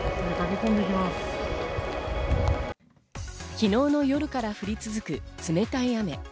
昨日の夜から降り続く冷たい雨。